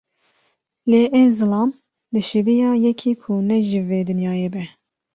Lê ev zilam, dişibiya yekî ku ne ji vê dinyayê be.